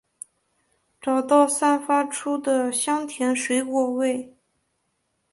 找到散发出的香甜水果味！